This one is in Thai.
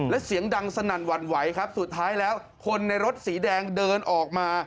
และเสียงดังสนั่นหวั่นไหวครับสุดท้ายแล้วคนในรถสีแดงเดินออกมา